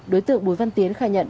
đối tượng bùi văn tiến khai nhận